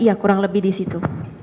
iya kurang lebih disitu